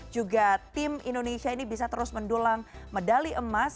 juga tim indonesia ini bisa terus mendulang medali emas